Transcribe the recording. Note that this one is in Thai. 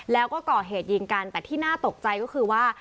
แล้วก็ก่อเหตุยิงกันแต่ที่น่าตกใจก็คือว่า